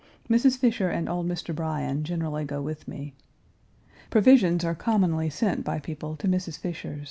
Mrs. Fisher and old Mr. Bryan generally go with me. Provisions are commonly sent by people to Mrs. Fisher's.